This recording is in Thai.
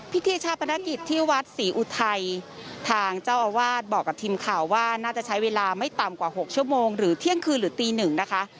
พิธีชาปนกิจที่วัดศรีอุทัยทางเจ้าอาวาสบอกกับทีมข่าวว่าน่าจะใช้เวลาไม่ต่ำกว่า๖ชั่วโมงหรือเที่ยงคืนหรือตีหนึ่งนะคะ